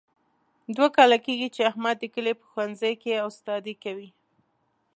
دوه کاله کېږي، چې احمد د کلي په ښوونځۍ کې استادي کوي.